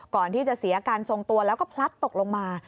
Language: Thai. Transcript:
ก่อนที่จะเสียอาการทรงตัวแล้วก็พลัดตกลงมา